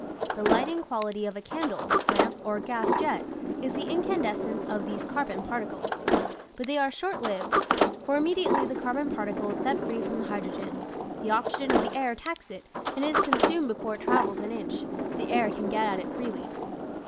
The lighting quality of a candle, lamp, or gas jet is the incandescence of these carbon particles; but they are short lived — for immediately the carbon particle is set free from the hydrogen, the oxygen of the air attacks it and it is consumed before it travels an inch, if the air can get at it freely.